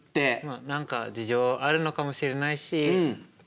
何か事情あるのかもしれないしま